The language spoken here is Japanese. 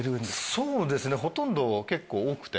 そうですねほとんど結構多くて。